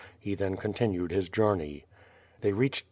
He then continued his journey. They reached